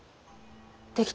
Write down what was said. できた！